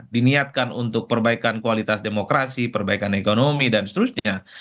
diniatkan untuk perbaikan kualitas demokrasi perbaikan ekonomi dan seterusnya